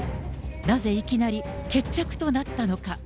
なぜ、いきなり決着となったのか。